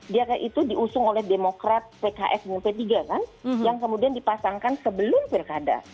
dia itu diusung oleh demokrat pks dan p tiga kan yang kemudian dipasangkan sebelum pilkada